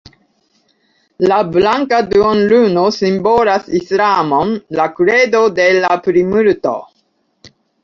La blanka duonluno simbolas islamon, la kredo de la plimulto.